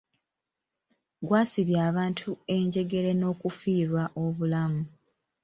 Gwasibya abantu enjegere n'okufiirwa obulamu.